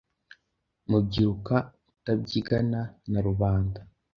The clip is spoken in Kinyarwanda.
Mubyiruka utabyigana ,narubanda,